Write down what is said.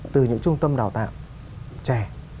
từ những trung tâm đào tạo trẻ